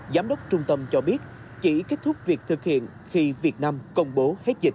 giám đốc trung tâm cho biết chỉ kết thúc việc thực hiện khi việt nam công bố hết dịch